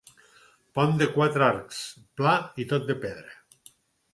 Pont de quatre arcs, pla i tot de pedra.